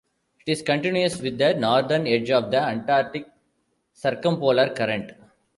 It is continuous with the northern edge of the Antarctic Circumpolar Current.